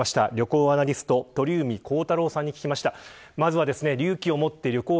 旅行アナリスト鳥海高太朗さんに聞きました。